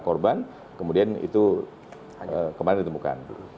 kemudian itu kemarin ditemukan